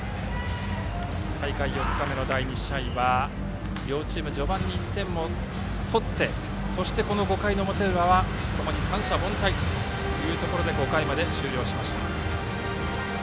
大会４日目の第２試合は両チーム、序盤に１点を取ってそして５回の表裏はともに三者凡退で５回まで終了しました。